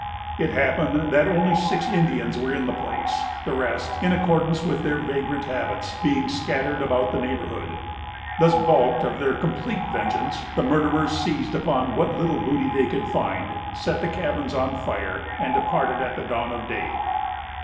It happened that only six Indians were in the place; the rest, in accordance with their vagrant habits, being scattered about the neighborhood. Thus baulked of their complete vengeance, the murderers seized upon what little booty they could find, set the cabins on fire, and departed at dawn of day.